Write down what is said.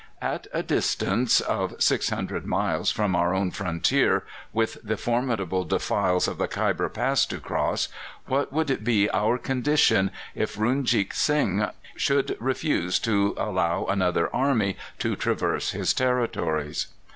At a distance of 600 miles from our own frontier, with the formidable defiles of the Khyber Pass to cross, what would be our condition if Runjeet Sing should refuse to allow another army to traverse his territories?